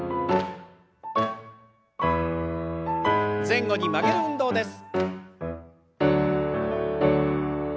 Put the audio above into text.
前後に曲げる運動です。